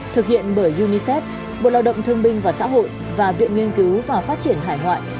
thực hiện bởi unicef bộ lao động thương binh và xã hội và viện nghiên cứu và phát triển hải ngoại